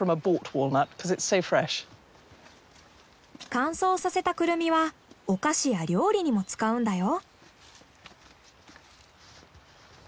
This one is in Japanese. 乾燥させたクルミはお菓子や料理にも使うんだよ。